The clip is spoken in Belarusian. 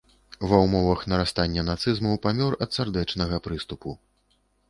Ва ўмовах нарастання нацызму памёр ад сардэчнага прыступу.